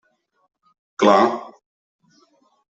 Clar!